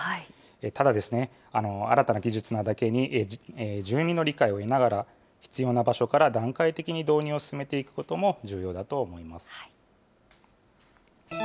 ただですね、新たな技術なだけに、住民の理解を得ながら、必要な場所から段階的に導入を進めていくことも重要だと思います。